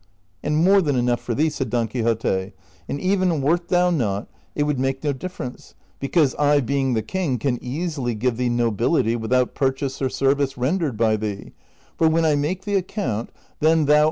*" And more than enough for thee," said Don Quixote ;" and even Avert thou not, it Avould make no difference, because I being the king can easily give thee nobility Avithout purchase or service rendered by thee, for Avhen I make thee a covuit, 1 Prov.